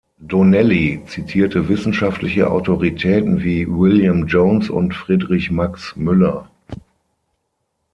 Donnelly zitierte wissenschaftliche Autoritäten wie William Jones und Friedrich Max Müller.